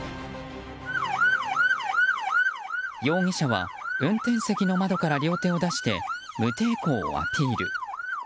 容疑者は運転席の窓から両手を出して無抵抗をアピール。